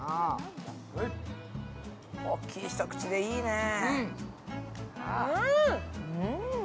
大きい一口でいいねえ。